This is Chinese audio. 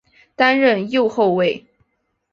担任右后卫。